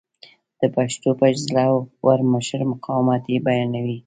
د پښتنو یو زړه ور مشر مقاومت یې بیانوي.